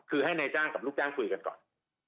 คือให้นายจ้างกับลูกจ้างคุยกันก่อน